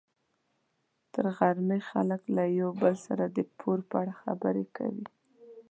تر غرمې خلک له یو بل سره د پور په اړه خبرې کوي.